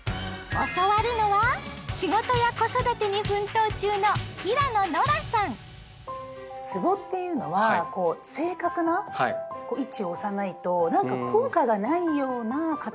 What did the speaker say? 教わるのは仕事や子育てに奮闘中のつぼっていうのはこう正確な位置を押さないとなんか効果がないような勝手なイメージが。